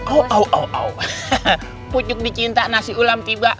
kucuk dicinta nasi ulam tiba